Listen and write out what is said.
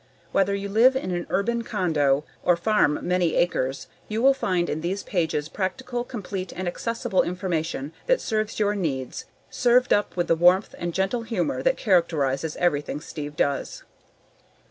Whether you live in an urban condo or farm many acres, you will find in these pages practical, complete and accessible information that serves your needs, served up with the warmth and gentle humor that characterizes everything Steve does.